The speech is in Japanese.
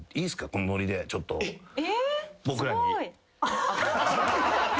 このノリでちょっと僕らに。